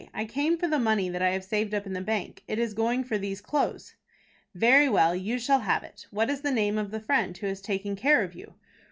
I came for the money that I have saved up in the bank. It is going for these clothes." "Very well. You shall have it. What is the name of the friend who has taken care of you?"